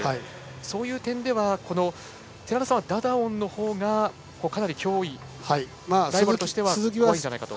そういう点では寺田さんはダダオンのほうがライバルとしては脅威じゃないかと。